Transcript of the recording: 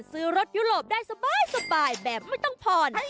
ซื้อรถยุโรปได้สบายแบบไม่ต้องผ่อน